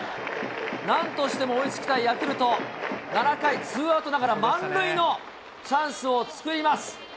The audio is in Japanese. なんとしても追いつきたいヤクルト、７回、ツーアウトながら、満塁のチャンスを作ります。